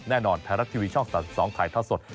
แน่นอนไทยรัฐทีวีช่อง๓๒ถ่ายท่าสด